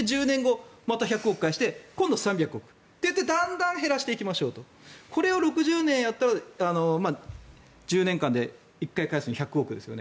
また１００億返して今度３００億とだんだん減らしていきましょうとこれを６０年やって、１０年間で１回返すのに１００億ですよね